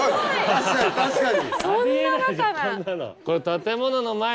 確かに！